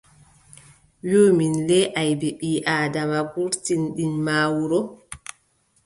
Wiʼu min le aybeeji ɓii- Aadama gurtinɗi ma wuro.